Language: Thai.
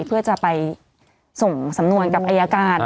เพื่อจะไปส่งสำนวนกับอายการ